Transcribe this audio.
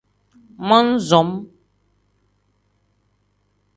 Mon-som.